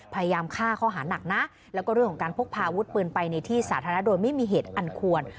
พยายามฆ่าข้อหานักนะแล้วก็เรื่องของการพกพาอาวุธปืนไปในที่สาธารณะโดยไม่มีเหตุอันควร